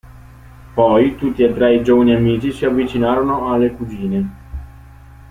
Poi tutti e tre i giovani amici si avvicinarono alle cugine.